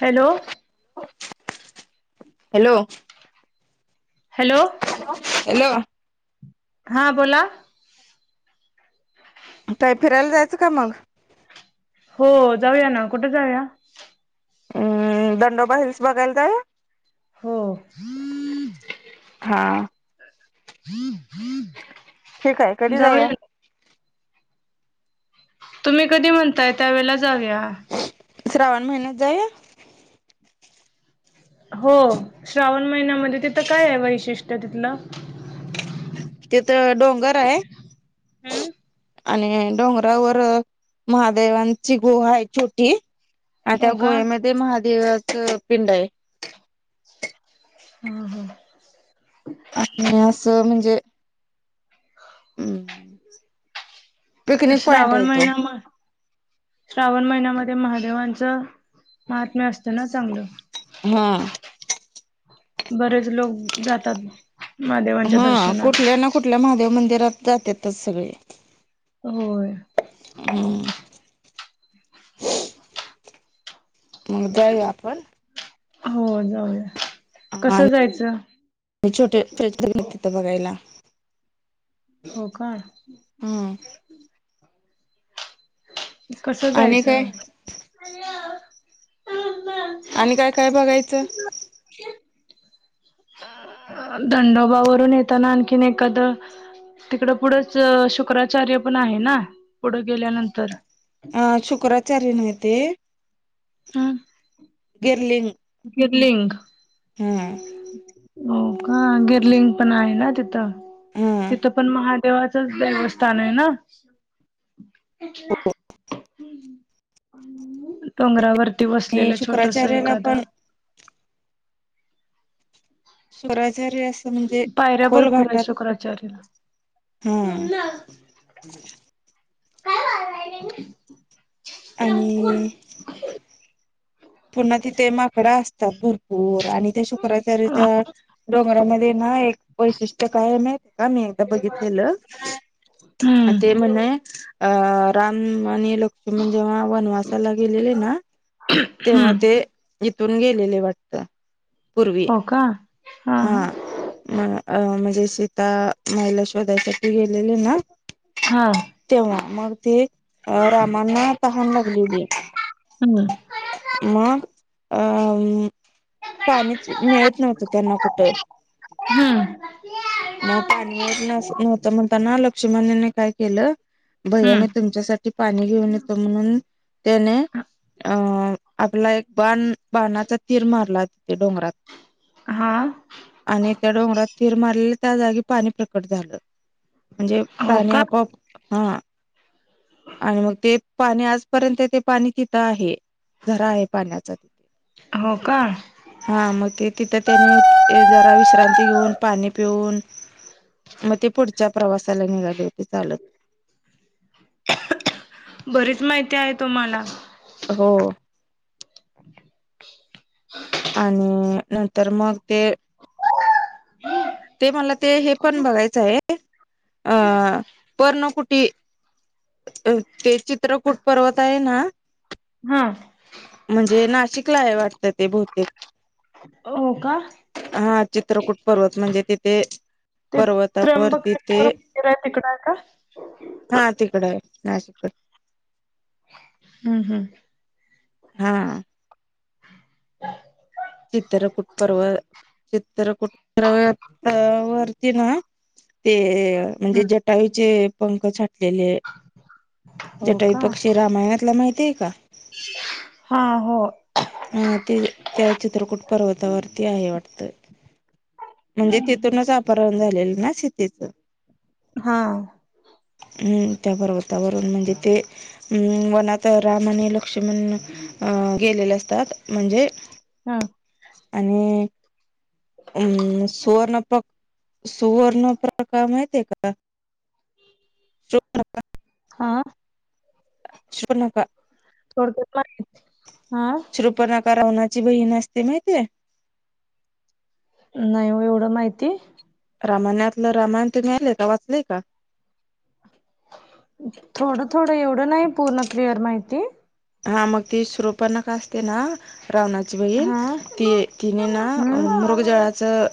Hello. Hello. Hello. Hello. हा बोला. तय फिरायला, जायचं का मग हो जाऊया ना कुठे जाऊया. अम्म दंडोबा हल्स बघायला जाय. हो. हा हम्म हम्म. ठीक आहे कधी जाया. तुम्ही कधी म्हणताय त्यावेेळेला जाऊया. श्रावण महिन्यात जाय. हो श्रावण महिन्यामध्ये, तिथं काय आहे वैशिष्ट्य तिथलं. तिथं डोंगर आहे. हम्म आणि डोंगरावर महादेवांची गुहा आहे छोटी. आ त्या हो का गोव्यामध्ये महादेवाच पिंड आहे. हम् हम् अस असं म्हणजे हम् पिकनिक पॉइंट श्रावण ये तो. महिना म श्रावण महिन्यामध्ये महादेवांच महात्म्य असत. ना चांगलं हा बरेच लोक जातात. महादेवांच्या हा दर्शनाला कुठल्या ना कुठल्या महादेव मंदिरात जातातच सगळे होय. हम्. मग जाऊ य आपण. हो जाऊ य कस जायचं? म छोटे ोतीथ बघायला. हो का. हम्. कस आणि काय जायचं. आणि काय काय बघायचं. धंडोबावरून येताना आणखीन एखादं तिकडं पुढंच शुक्राचार्य पण आहे ना पुढं गेल्यानंतर शुक्रचार्य नही ते हम. गिर्लिंग गिरलिंग हो का गिरलिंग पण आहे ना तिथं हा तिथं पण महादेवाचच देवस्थान आहे ना. ह् डोंगरावरती आणि बसलेलं छोटस शुक्राचार्याला एखादं. पण स्वराजर अस. पायऱ्या भरपूर आहे शुक्राचार्याला. हा काय मारय [unintelligible] आणि. पुन्हा तिथे माकड असतात भर भरपूर आणि त्या शुक्राचार्याच्या डोंगरामध्ये ना एक वैशिष्ट्य काय आहे मा का मी एकदा बघितलेलं. हम्म ते म्हणे अ राम आणि लोक जेव्हा वनवासाला गेलेले ना, तेव्हा हम्म ते इथून गेलेले वाटत. पूर्वी हो का हा हां. हा म म्हणजे सीता माई ला शोधाय साठी गेलेले ना, हा तेव्हा मग ते अ रामांना तहान लागलेली. हम्. मग अ पाणीच मिळत नव्हतं त्यांना कुठं. हम्म. मग पाणी मिळत न नव्हतं म्हणता ना लक्ष्मणनी काय केलं. भैया हम्म. मी तुमच्यासाठी पाणी घेऊन येतो म्हणून त्याने अ आपला एक बाण बाणाचा तीर मारला. ते डोंगरात. हा आणि त्या डोंगरात तीर मारलेले त्या जागी पाणी प्रकट झालं. म्हणजे हो पाणी का आपोआप हा आणि मग ते पाणी आजपर्यंत ते पाणी तिथं आहे. झरा आहे पाण्याचा तिथ हो का. हा मग ते तिथं त्यानी जरा विश्रांती घेऊन पाणी पिऊन मग ते पुढच्या प्रवासाला निघाले होते चालत. बरीच माहिती आहे तुम्हांना. हो आणि नंतर मग ते. ते मला ते हे पण बघायचं आहे अ पर्ण कुटी ते चित्र कुट पर्वत आहे ना? हा. म्हणजे नाशिकला आहे वाटतं ते बहुतेक. हो का? हा चित्रकूट पर्वत म्हणजे तिथे ते पर्वत. त्र्यंबकेश्वर मंदीर हाय तिकड आहे का? हा तिकडाय नाशिक कड. हम हम. हा. चित्रकूट पर्व चित्रकूट पर्वत वरती ना ते म्हणजे जटायू चे पंख छाटलेले - - हो जटायु का पक्षी रामायणातला माहितीय का? हा होय. हा ते त्या चित्रकूट पर्वतावरती आहे वाटतं. म्हणजे तिथूनच अपहरण झालेलं ना सीतेच. हा हम्म त्या पर्वतावरून म्हणजे ते अम वनात राम आणि लक्ष्मण अं गेलेले असतात म्हणजे हा. आणि अम सुवर्णपक सुवर्ण प्रकार माहितीय का? [unintelligible] हा. शुपनका [unintelligible] हा. पर्णका रावणाची बहीण असते माहितीय. [unintelligible] माहिती. रामाणातलं रामायण [unintelligible] आलंय का वाचलेय का? थोडं थोडं एवढं नाही पूर्ण क्लिअर माहिती हा मग ती शृपणनका असते ना रावणा ची बहिण हा ती तिने ना हम हम्म हा मृगजळाचं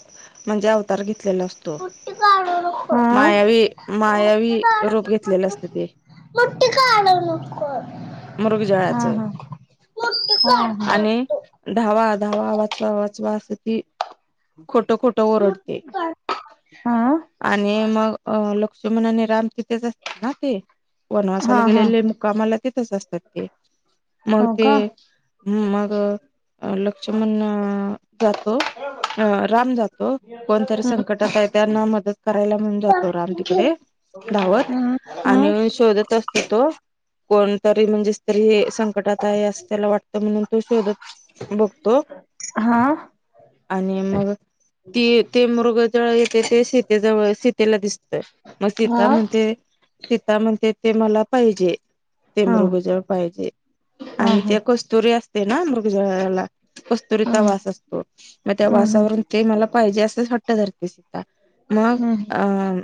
म्हणजे अवतार घेतलेला असतो. मुठी काढू नको मायावी मायावी रूप घेतलेलं असतं ते. मोठी काढाय नको हा मृगजळाचं हा मोठी काढ आणि धावा धावा वाचवा वाचवा अस ती खोट खोटं ओरडते मुठी काढ हा आणि मग अ ल लक्ष्मण आणि राम तिथेच असतात ना ते वनवासाला हा हा गेलेले मुकामाला तिथेच असतात मग हो ते का मग लक्ष्मण जातो अ राम जातो. कोणतरी हम्म संकटात आहे त्यांना मदत करायला म्हणून जातो राम तिकडे धावत हा. आणि शोधत असतो तो कोणतरी म्हणजे तरी संकटात आहे असं त्याला वाटतं म्हणून तो शोधत बघतो हा. आणि मग ती ते मृगजळ येते ते शीतेजवळ शीतेला दिसतय मग हा सीता म्हणते सीता म्हणते ते मला पाहिजे ते हा हा मृगजळ आणि हा ते कस्तुरी असते ना मृगजला कस्तुरीचा हम्म वास असतो मग त्या हम्म वासावरून ते मला पाहिजे असंच हट्ट धरते. मग हम्म अं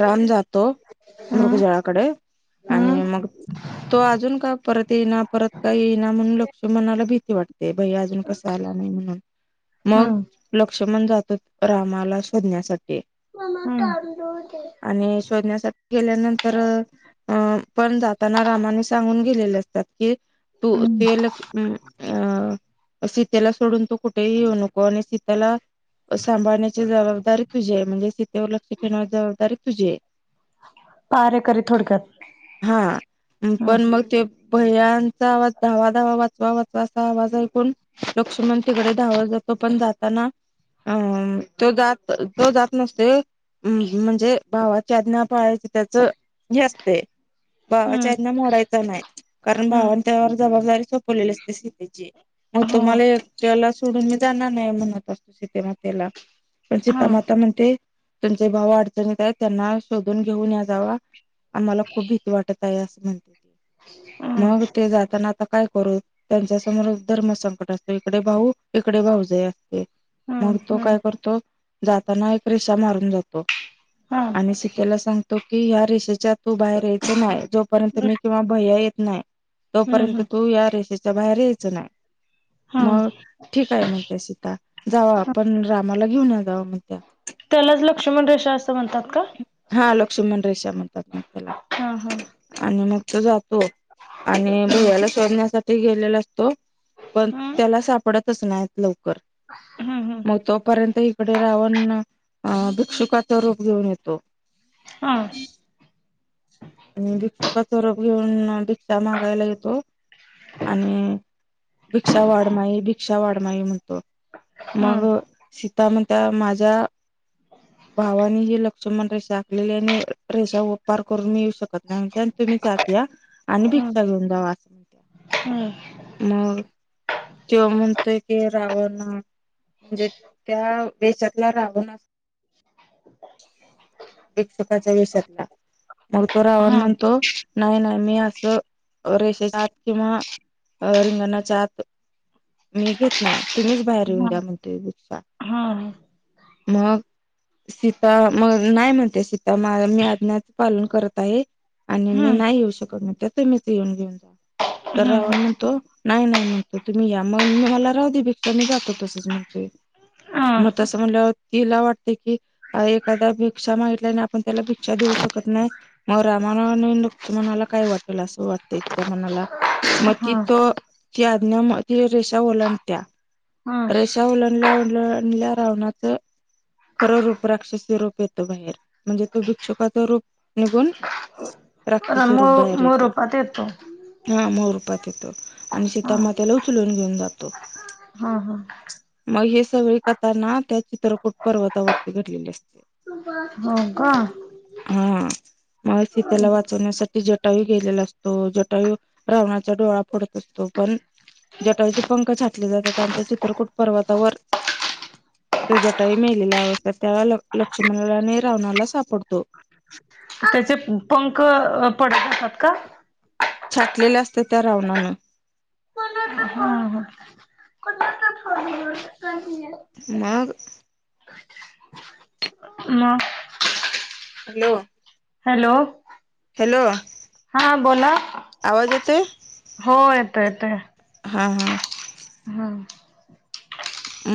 राम जातो हम्म मृगजळाकडे आणि हम्म मग तो अजून का परत येईना परत का येईना म्हणून लक्षुमणाला भीती वाटते भय्या अजून कसं आला नाही म्हणून. मग हम्म लक्ष्मण जातो रामाला शोधण्यासाठी. [unintelligible] रोज दे आणि शोधण्यासाठी गेल्यानंतर अं पण जाताना रामाने सांगून गेलेले असतात की तू हम्म ते ल हम् अ सीतेला सोडून तू कुठेही येऊ नको आणि सीतेला सांभाळण्याची जबाबदारी तुझीये आहे म्हणजे सीतेवर लक्ष ठेवची जबाबदारी तुझीये पाहरेकरी थोडक्यात हा हम्म. पण मग ते भैयांचा आवाज धावा, धावा वाचवा -वाचवा असा आवाज ऐकून लक्ष्मण तिकडे धावत जातो पण जाताना अ तो जात तो जात नसतोय म म्हणजे भावाच्या आज्ञा पाळायची त्याच हे असतय भावाच्या हम्म आज्ञा मोडायचा नाय हम्म त्यावर जबाबदारी सोपवलेली असते सितेची मग हो तुम्हाला त्याला सोडून मी जाणार नाही म्हणत असतो सीतेमातेला पण हा सीतामाता म्हणते तुमचे भाव अडचणीत आहेत त्यांना शोधून घेऊन या जावा आम्हाला खूप भीती वाटत आहे असं म्हणते ते हम्म मग ते जाताना आता काय करू? त्यांच्या समोर धर्म संकट असतं इकडे भाऊ इकडे भाऊजाई असते मग हम्म तो हम्म. काय करतो जाताना एक रिसा मारून जातो हा आणि हम्म सीतेला सांगतो की ह्या रेषेच्या तू बाहेर यायच नाही जोपर्यंत मी किंवा भैया या येत नाही तोपर्यंत हम्म तू या रेषेच्या बाहेर यायच नाही हा मग ठीक हाय म्हणतीया सीता जावा आपण रामाला घेऊन या जावा म्हणत्या त्यालाच लक्ष्मण रेषा असं म्हणतात. का? हा लक्ष्मण रेषा म्हणतात मग त्याला हा हा आणि मग तो जातो आणि हम्म भैयाला सोडण्यासाठी गेलेला असतो पण त्याला सापडत तचं नाहीत लवकर हम्, हम्म मग तोपर्यंत इकडे रावण भिकषुकाचा रूप घेऊन येतो हां [unintelligible] आणि भिक्षुकाच रूप घेऊन भिक्षा मागायला येतो आणि भिक्षा वाडमाई भिक्षा वाडमाई म्हण तो, मग हम्म सीता म्हणत्या माझ्या भावानी हि लक्ष्मण रेषा आखलेली आणि रेषा पार करून मी येऊ शकत नाही म्हणतीया आणि तुम्ही आत या आणि हम्म. भिक्षा घेऊन जावा असं म्हण हम्म त्यो म्हणतोय की रावण म्हणजे त्या वेशातला रावण असतोय भिक्षकाच्या वेशातला. मग तो रावण हा म्हणतो नाही नाही मी असं रेषेच्या आत किंवा रिंगणाच्या आत मी घेत नाही तुम्हीच बाहेर इंडिया म्हण बिक्षा हा. मग सीता मग नाही म्हणते सीता म मी अज्ञ. पालन करत आहे आणि मी हम्म नाही येऊ शकत नाही त्या तु्ीच येऊन घेऊन जा. तर हम्म रावण म्हणतो नाही नाही म्हणतो तुम्ही या मग मी मला राह देपेक्षा मी जातो तसच म्हण. हा मग तं म्हणलं तिला वाटत की एादा भिक्ा माहितल्याने आपण त्याला भिक्षा देऊ शकतो. त नाही मग रामा न लुच्या मनाला काय वाटेल असं वाटतंय तिच्या मनाला मग हा ति त ती आज्ञा म त रेषा ओलाडतात आणि त्या हा रेषा उलाडल्या उलाडल्या रावणाचं. खरं रूप राक्षसी रूप येतो बाहेर म्हणजे तो भिक्षुकाच रूप निघून राक्षसी मू रूप बाहेर मूळ येत. रूपात येतो हा मूळ रुपात येतो आणि हा. सीतामातेला उचलून घेऊन जातो. हा हा. मग हे सगळे कथना त्या चित्रकूट पर्वतावरती घडलेले असते. हो का? हा मग त त्याला वाचवण्यासाठी जटायू गेलेला असतो जटायू रावणाचा डोळा फडत असतो पण जटाचे पंख छाटले जातात आणि त्या चित्रकूट पर्वतावर तो जटाइ मेलेल्या अवस्थेत त्या लक्ष्मणाला आणि रावणाला सापडतो. त्याचे पंख पडत असातात का? छाटलेले असते त्या रावणान. हा हा ह. [unintelligible] [unintelligible] मग म हॅलो. हॅलो हॅलो हा बोला. आवाज येतोय हो येतोय येतोय. हां हां. हा.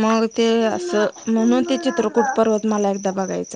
मग ते असं म्हणून ते चित्रकूट पर्वत मला एकदा बघायचं.